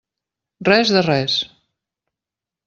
Res de res!